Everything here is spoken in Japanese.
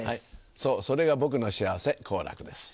そうそれが僕の幸せ好楽です。